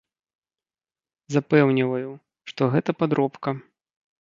Запэўніваю, што гэта падробка.